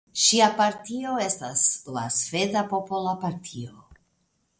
Ŝia partio estas la Sveda Popola Partio.